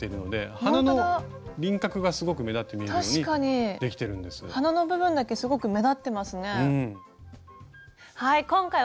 花の部分だけすごく目立ってますね。